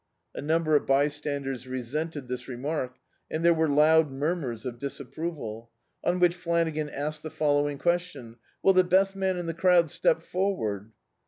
A num ber of bystanders resented this remark, and there were loud murmurs of disapproval. On which Flanagan asked the following question: "Will the best man in the crowd step forward?"